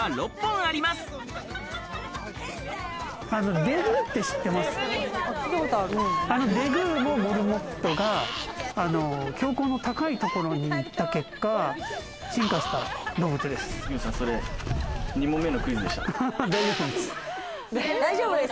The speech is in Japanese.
あのデグーもモルモットが標高の高いところに行った結果、進化した動物です。